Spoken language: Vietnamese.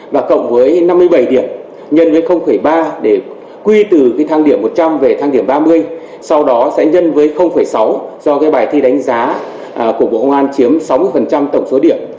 và cộng với năm mươi bảy điểm nhân với ba điểm quy từ thang điểm một trăm linh về thang điểm ba mươi sau đó sẽ nhân với sáu do cái bài thi đánh giá của bộ công an chiếm sáu mươi tổng số điểm